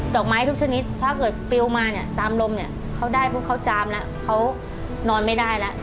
ดอกไม้ทุกชนิดถ้าเกิดเปรี้ยวมาตามลมเขาได้เพราะเขาจามแล้วเขานอนไม่ได้แล้ว